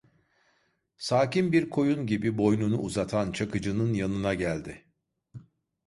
Sakin bir koyun gibi boynunu uzatan Çakıcı'nın yanına geldi.